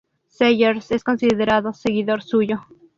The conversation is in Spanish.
Seghers es considerado seguidor suyo.